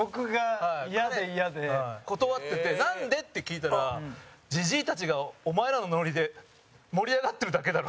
なんで？って聞いたら「ジジイたちがお前らのノリで盛り上がってるだけだろ」